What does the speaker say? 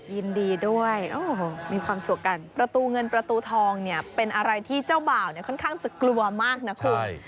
ยินดีด้วยโอ้โหมีความสุขกันประตูเงินประตูทองเนี่ยเป็นอะไรที่เจ้าบ่าวเนี่ยค่อนข้างจะกลัวมากนะคุณ